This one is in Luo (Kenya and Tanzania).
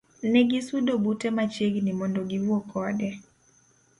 Negisudo bute machiegni mondo giwuo kode.